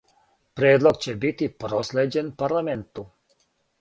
Предлог ће бити прослеђен парламенту.